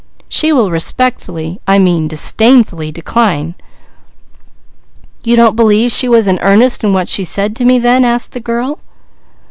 "She will respectfully I mean disdainfully, decline!" "You don't believe she was in earnest in what she said to me then?" asked the girl.